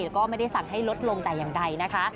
แล้วก็ไม่ได้สั่งให้ลดลงแต่อย่างใดนะคะ